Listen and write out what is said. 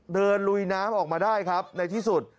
ลุยน้ำออกมาได้ครับในที่สุด